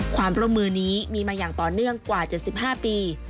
ความร่วมมือนี้มีมาอย่างต่อเนื่องกว่า๗๕ปี